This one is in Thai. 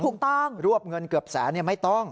ถูกต้องรวบเงินเกือบแสนนี่ไม่ต้อง